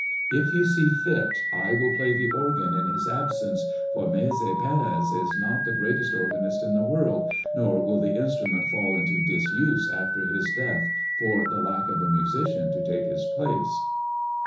If you see fit, I will play the organ in his absence, for Maese Pérez is not the greatest organist in the world, nor will the instrument fall into disuse after his death for the lack of a musician to take his place."